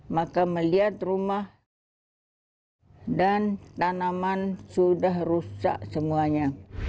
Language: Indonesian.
maka melihat rumah dan tanaman sudah rusak semuanya